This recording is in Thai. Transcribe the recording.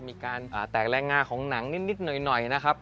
มีการแตกแรงงาของหนังนิดหน่อยนะครับ